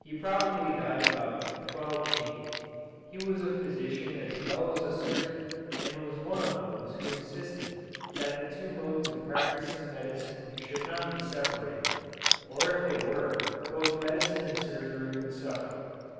He probably died about 1280. He was a physician as well as a surgeon and was one of those who insisted that the two modes of practising medicine should not be separated, or if they were both medicine and surgery would suffer.